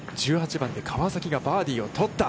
１８番で川崎がバーディーを取った。